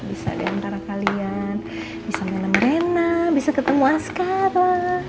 bisa deh antara kalian bisa menem renna bisa ketemu askara